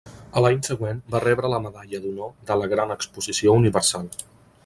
A l'any següent, va rebre la Medalla d'Honor de la gran Exposició Universal.